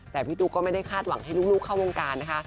แต่พี่ตุ๊กก็ไม่ได้คาดหวังให้ลูกเข้าวงการนะคะ